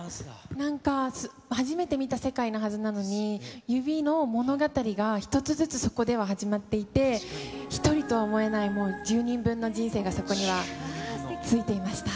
なんか、初めて見た世界のはずなのに、指の物語が、１つずつそこでは始まっていて、１人とは思えない、１０人分の人生が、そこにはついていました。